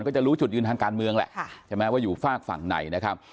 ก็จะรู้จุดยืนทางการเมืองแหละใช่ไหมว่าอยู่ฝากฝั่งไหนนะครับ